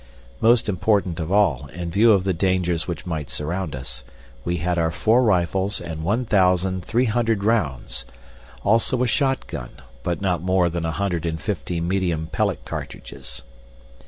Most important of all, in view of the dangers which might surround us, we had our four rifles and one thousand three hundred rounds, also a shot gun, but not more than a hundred and fifty medium pellet cartridges.